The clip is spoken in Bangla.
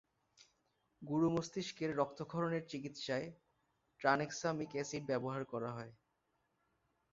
গুরুমস্তিষ্কের রক্তক্ষরণের চিকিৎসায় ট্রানেক্সামিক এসিড ব্যবহার করা হয়।